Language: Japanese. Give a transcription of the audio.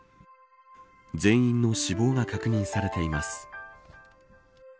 全員の死亡が確認されています。